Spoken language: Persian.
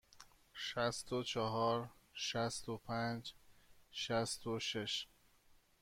شصت و چهار، شصت و پنج، شصت و شش.